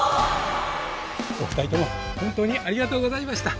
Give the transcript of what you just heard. お二人とも本当にありがとうございました！